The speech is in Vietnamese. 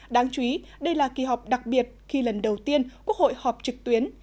đáng chú ý đây là kỳ họp đặc biệt khi lần đầu tiên quốc hội họp trực tuyến